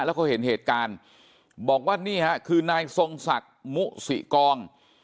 แล้วเขาเห็นเหตุการณ์บอกว่านี่ฮะคือนายทรงศักดิ์มุสิกอง